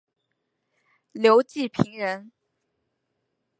刘季平人。